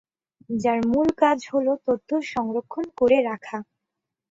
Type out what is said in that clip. যার মূল কাজ হল তথ্য সংরক্ষণ করে রাখা।